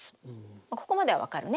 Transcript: ここまでは分かるね？